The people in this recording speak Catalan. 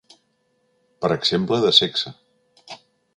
Per exemple de sexe.